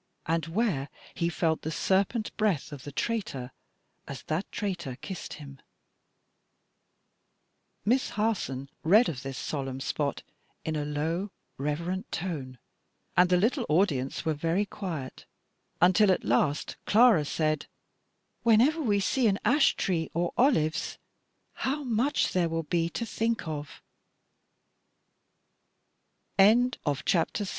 and where he felt the serpent breath of the traitor as that traitor kissed him.'" Miss Harson read of this solemn spot in a low, reverent tone; and the little audience were very quiet, until at last Clara said, "Whenever we see an ash tree or olives, how much there will b